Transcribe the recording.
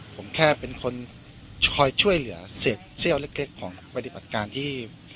ผมแค่เป็นคนคอยช่วยเหลือเศษเซี่ยวเล็กของปฏิบัติการที่